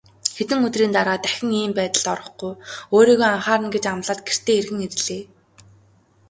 Хэдэн өдрийн дараа дахин ийм байдалд орохгүй, өөрийгөө анхаарна гэж амлаад гэртээ эргэн ирлээ.